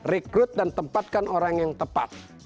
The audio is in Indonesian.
rekrut dan tempatkan orang yang tepat